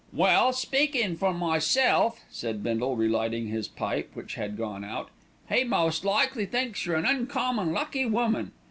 "Well! speakin' for myself," said Bindle, relighting his pipe, which had gone out, "he most likely thinks you're an uncommon lucky woman.